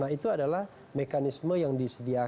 nah itu adalah mekanisme yang disediakan